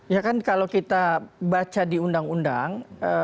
ya kan kalau kita baca di undang undang